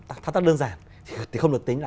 tác tác đơn giản thì không được tính là